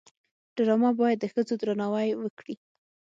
ډرامه باید د ښځو درناوی وکړي